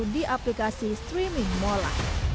di aplikasi streaming mola